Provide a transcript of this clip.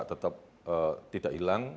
tetap tidak hilang